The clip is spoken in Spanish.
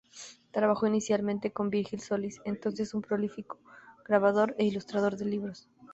Trabajó inicialmente con Virgil Solis, entonces un prolífico grabador e ilustrador de libros.